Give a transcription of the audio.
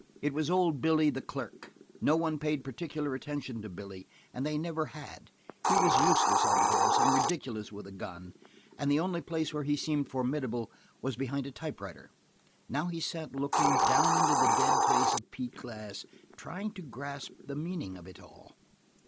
It was old Billy, the clerk. No one paid particular attention to Billy, and they never had. He was useless on a horse and ridiculous with a gun, and the only place where he seemed formidable was behind a typewriter. Now he sat looking, down into the dead face of Pete Glass, trying to grasp the meaning of it all.